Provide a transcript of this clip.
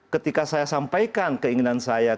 ketika saya sampaikan keinginan saya